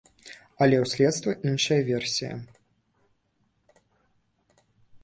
Але ў следства іншая версія.